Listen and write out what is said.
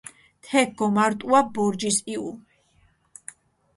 თექ გომარტუა ბორჯის იჸუ.